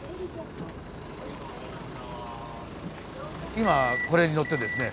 今これに乗ってですね